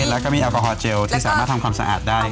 แล้วก็มีแอลกอฮอลเจลที่สามารถทำความสะอาดได้